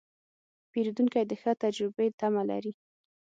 پیرودونکی د ښه تجربې تمه لري.